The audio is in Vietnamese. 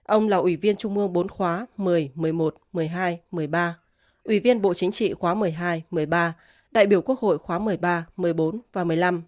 ông là ủy viên trung mương bốn khóa một mươi một mươi một một mươi hai một mươi ba ủy viên bộ chính trị khóa một mươi hai một mươi ba đại biểu quốc hội khóa một mươi ba một mươi bốn và một mươi năm